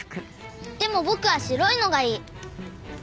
でも僕は白いのがいい。